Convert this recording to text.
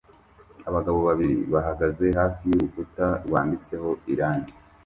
Abagabo babiri bahagaze hafi y'urukuta rwanditseho irangi